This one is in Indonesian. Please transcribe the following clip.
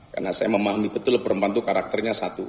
karena saya memahami betul perempuan itu karakternya satu